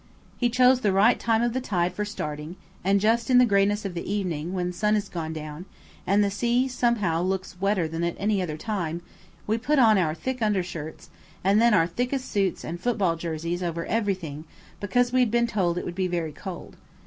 He chose the right time of the tide for starting, and just in the greyness of the evening when the sun is gone down, and the sea somehow looks wetter than at any other time, we put on our thick undershirts, and then our thickest suits and football jerseys over everything because we had been told it would be very cold.